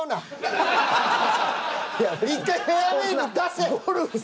１回フェアウエーに出せ。